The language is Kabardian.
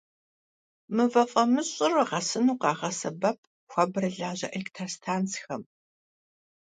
Mıve f'amış'ır ğesınu khağesebep xuaberılaje elêktrostantsxem.